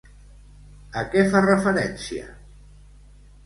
A què fa referència?